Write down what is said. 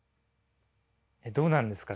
どうなんですかね。